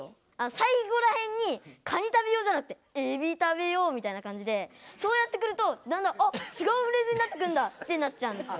最後らへんに「カニ食べよう」じゃなくて「エビ食べよう」みたいな感じでそうやってくるとだんだんあっ違うフレーズになってくんだってなっちゃうんですよ。